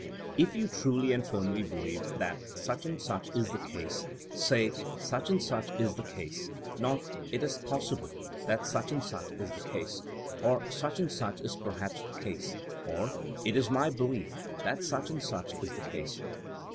If you truly and firmly believe that *^ such and such is the case '' say such and such is the case"; not ''it is pos sible that such and such is the case," or ''such and such is perhaps the case, " or " it is my be lief that such and such is the case."